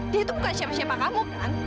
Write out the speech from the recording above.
dia itu bukan siapa siapa kamu kan